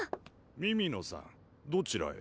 美々野さんどちらへ？